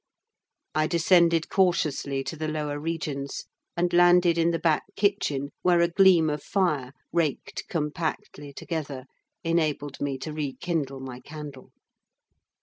I descended cautiously to the lower regions, and landed in the back kitchen, where a gleam of fire, raked compactly together, enabled me to rekindle my candle.